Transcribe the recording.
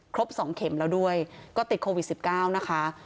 ครบ๒เข็มแล้วด้วยก็ติดโควิด๑๙นะคะ